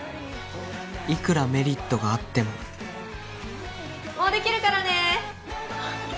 いくらメリットがあってももうできるからね！